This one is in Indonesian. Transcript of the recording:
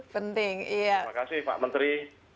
penting iya terima kasih pak menteri